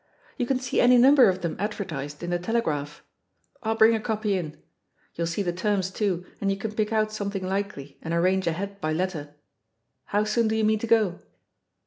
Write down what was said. You can see any number of them advertised in the Telegraph. I'U bring a copy in. You'll see the terms too, and you can pick out something likely and arrange ahead by letter. How soon do you mean to go